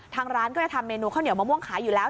ทางร้านก็จะทำเมนูข้าวเหนียวมะม่วงขายอยู่แล้ว